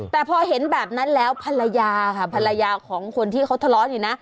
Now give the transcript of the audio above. แต่พอเห็นแบบนั้นแล้วภรรยาค่ะภรรยาของคนที่เขาทะเลาะอยู่นะ